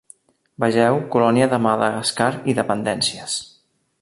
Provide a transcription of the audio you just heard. Vegeu colònia de Madagascar i dependències.